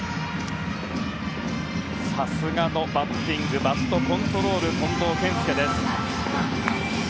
さすがのバッティングバットコントロールの近藤健介。